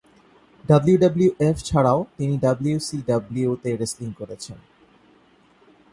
WWF ছাড়াও তিনি WCW তে রেসলিং করেছেন।